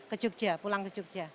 ke jogja pulang ke jogja